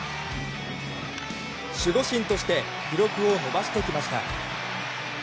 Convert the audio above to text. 守護神として記録を伸ばしてきました。